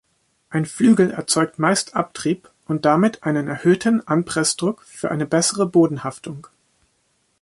Ein Flügel erzeugt meist Abtrieb und damit einen erhöhten Anpressdruck für eine bessere Bodenhaftung.